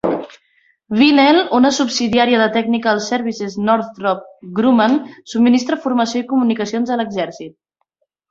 Vinnell, una subsidiària de Technical Services Northrop Grumman , subministra formació i comunicacions a l'exèrcit.